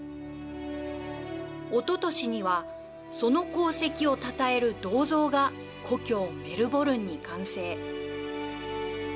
おととしにはその功績をたたえる銅像が故郷メルボルンに完成。